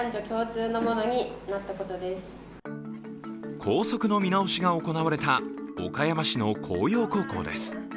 校則の見直しが行われた岡山市の興陽高校です。